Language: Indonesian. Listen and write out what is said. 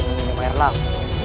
sama seperti menimu air laut